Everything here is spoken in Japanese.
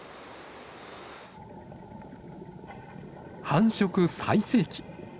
繁殖最盛期。